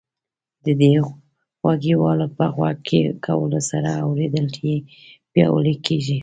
د دې غوږوالیو په غوږ کولو سره اورېدل یې پیاوړي کیږي.